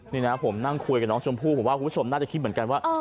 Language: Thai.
นี่นะผมนั่งคุยกับน้องชมพู่ผมว่าคุณผู้ชมน่าจะคิดเหมือนกันว่า